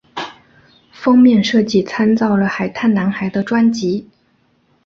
封面设计参照了海滩男孩的专辑。